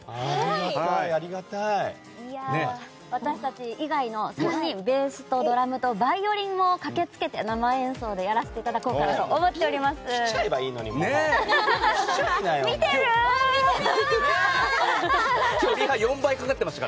私たち以外の３人ベースとドラムとバイオリンも駆けつけて生演奏でやらせていただこうかと思っています。